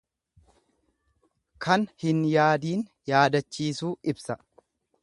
Kan hin yaadiin yaadachiisuu ibsa.